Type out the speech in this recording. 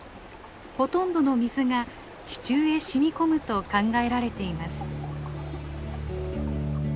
ほとんどの水が地中へ染み込むと考えられています。